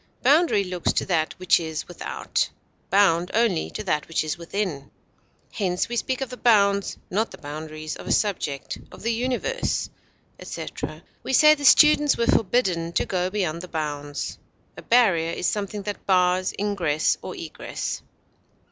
Boundary looks to that which is without; bound only to that which is within. Hence we speak of the bounds, not the boundaries, of a subject, of the universe, etc.; we say the students were forbidden to go beyond the bounds. A barrier is something that bars ingress or egress.